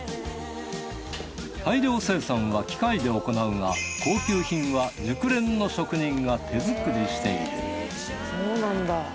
大量生産は機械で行うが高級品は熟練の職人が手作りしている。